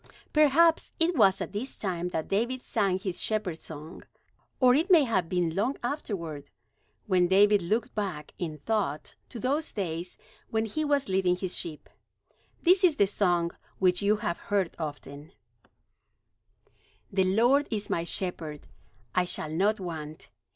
Perhaps it was at this time that David sang his shepherd song, or it may have been long afterward, when David looked back in thought to those days when he was leading his sheep. This is the song, which you have heard often: "The Lord is my shepherd; I shall not want.